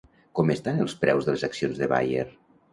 Com estan els preus de les accions de Bayer?